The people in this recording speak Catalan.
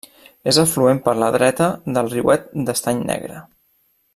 És afluent per la dreta del Riuet d'Estany Negre.